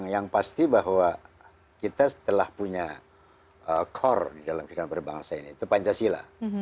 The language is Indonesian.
yang pasti bahwa kita setelah punya core di dalam kehidupan berbangsa ini itu pancasila